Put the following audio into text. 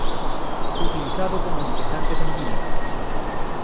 Utilizado como espesante sanguíneo.